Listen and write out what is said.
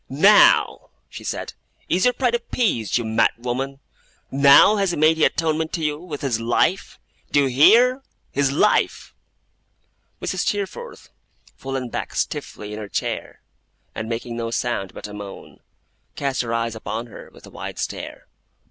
'Now,' she said, 'is your pride appeased, you madwoman? Now has he made atonement to you with his life! Do you hear? His life!' Mrs. Steerforth, fallen back stiffly in her chair, and making no sound but a moan, cast her eyes upon her with a wide stare.